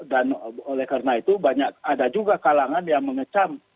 dan oleh karena itu banyak ada juga kalangan yang mengecam